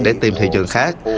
để tìm thị trường khác